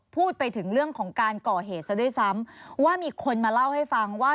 พูดไปถึงเรื่องของการก่อเหตุซะด้วยซ้ำว่ามีคนมาเล่าให้ฟังว่า